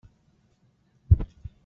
Ahat telt-snin sur t-ẓriɣ.